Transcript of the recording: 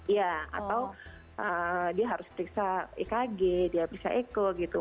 iya atau dia harus periksa ekg dia periksa eco gitu